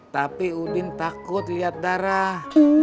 tapi udin takut lihat darah